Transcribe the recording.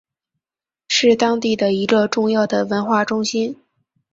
是当地的一个重要的文化中心。